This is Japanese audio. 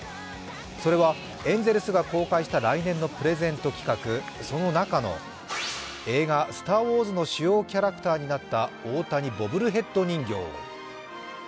それはエンゼルスが公開した来年のプレゼント企画その中の映画「スター・ウォーズ」の主要キャラクターになった大谷ボブルヘッド人形。